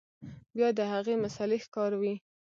بيا د هغې مسئلې ښکار وي